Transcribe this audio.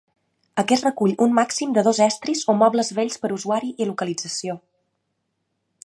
Aquest recull un màxim de dos estris o mobles vells per usuari i localització.